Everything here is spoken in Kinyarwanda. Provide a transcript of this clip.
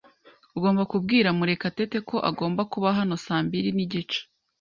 Ugomba kubwira Murekatete ko agomba kuba hano saa mbiri nigice.